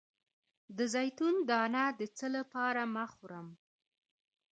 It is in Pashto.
د زیتون دانه د څه لپاره مه خورم؟